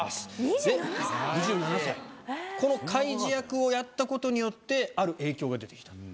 このカイジ役をやったことによってある影響が出てきた。